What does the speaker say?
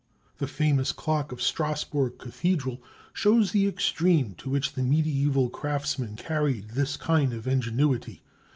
The famous clock of Strassburg Cathedral shows the extreme to which the medieval craftsman carried this kind of ingenuity.